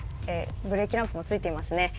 ブレーキランプもついていますね。